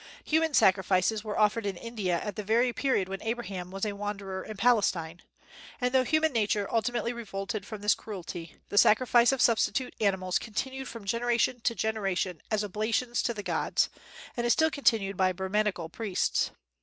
Human sacrifices were offered in India at the very period when Abraham was a wanderer in Palestine; and though human nature ultimately revolted from this cruelty, the sacrifice of substitute animals continued from generation to generation as oblations to the gods, and is still continued by Brahminical priests.